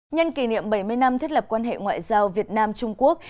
nhân kỷ niệm bảy mươi năm thiết lập quan hệ ngoại giao việt nam trung quốc